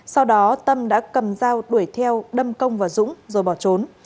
sau đó tâm đã cầm dao đuổi theo đâm công vào rũng rồi bỏ trốn